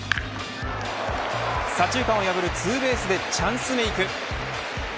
左中間を破るツーベースでチャンスメーク。